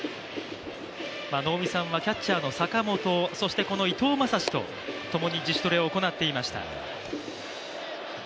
能見さんはキャッチャーの坂本、そして伊藤将司とともに自主トレを行っていました。